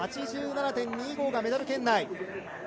８７．２５がメダル圏内。